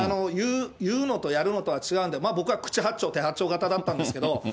言うのとやるのとでは違うんで、僕は口八丁手八丁型だったんですけど。